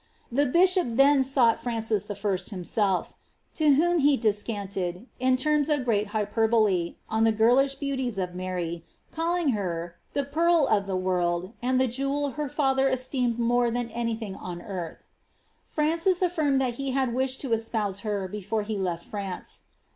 The bishop then sought Francis 1. himself, to whom he descanted, in terms of gresit hy perbole, on the girlish beauties of Mary, calling her '^ the pearl of the world, and the jewel her father esteemed more than any thing on earth.*" Francis afiirmed that he liad wished to espouse her before he left France.